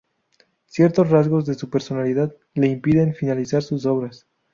Ciertos rasgos de su personalidad le impiden finalizar sus obras.